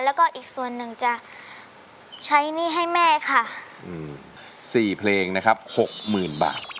แล้วก็อีกส่วนหนึ่งจะใช้หนี้ให้แม่ค่ะอืมสี่เพลงนะครับหกหมื่นบาท